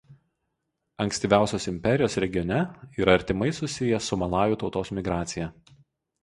Ankstyviausios imperijos regione yra artimai susiję su malajų tautos migracija.